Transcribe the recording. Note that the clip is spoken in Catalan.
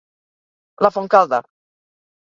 La Fontcalda